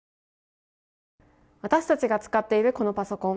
私たちが使っている、このパソコン。